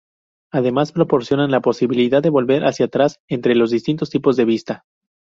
Además, proporcionan la posibilidad de volver hacia atrás entre los distintos tipos de vista.